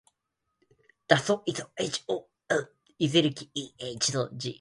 だそい ｈｓｄｇ ほ；いせるぎ ｌｈｓｇ